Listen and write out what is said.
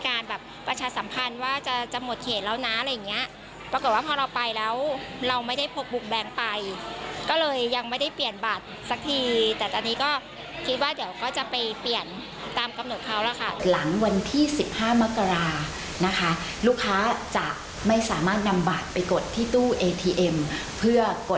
การแบบนี้ลูกค้าจะไม่สำคัญแบบกำเนิ่มเงินปรับษือ